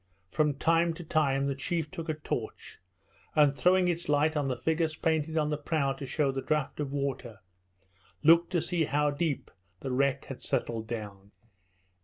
From time to time the chief took a torch, and throwing its light on the figures painted on the prow to show the draught of water, looked to see how deep the wreck had settled down.